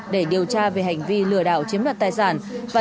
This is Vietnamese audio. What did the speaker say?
để điều tra về hành vi lừa đảo chiếm đoạt tài sản